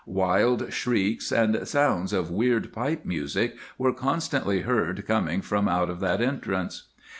Wild shrieks and sounds of weird pipe music were constantly heard coming from out of that entrance.